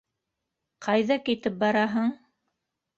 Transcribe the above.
Ҡайҙа китеп бараһың?